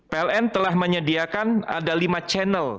pln telah menyediakan ada lima channel